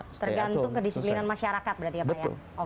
tergantung ke disiplinan masyarakat berarti ya pak ya